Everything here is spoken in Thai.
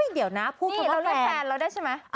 เดี๋ยวนะพูดคำว่าแฟนนี่เราได้แฟนเราได้ใช่ไหม